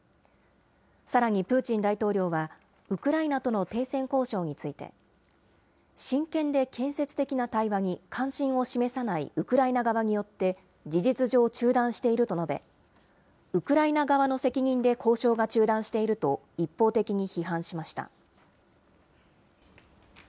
さらに、プーチン大統領はウクライナとの停戦交渉について、真剣で建設的な対話に関心を示さないウクライナ側によって、事実上中断していると述べ、ウクライナ側の責任で交渉が中断していると、一方的に批判しました。